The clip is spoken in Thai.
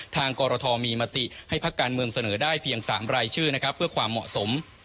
กรทมีมติให้พักการเมืองเสนอได้เพียง๓รายชื่อนะครับเพื่อความเหมาะสม